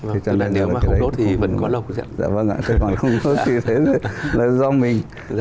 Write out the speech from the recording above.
vâng tức là nếu mà không đốt thì vẫn có lợi lục gì ạ